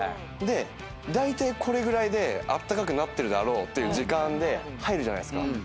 でだいたいこれぐらいであったかくなってるだろうという時間で入るじゃないですか。